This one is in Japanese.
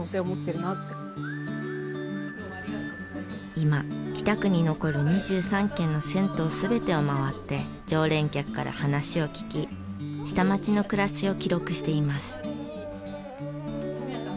今北区に残る２３軒の銭湯全てを回って常連客から話を聞き下町の暮らしを記録しています。